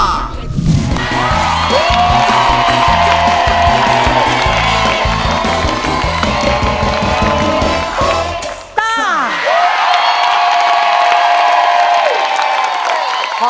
ต้า